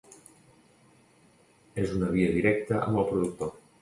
És una via directa amb el productor.